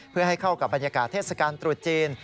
เพื่อให้เข้ากับบรรยากาศเทศกาลตรุษจีน